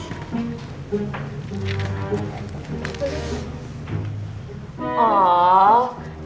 aku mau gaun aku kayak gini